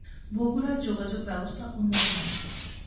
বগুড়ার যোগাযোগ ব্যবস্থা উন্নত মানের।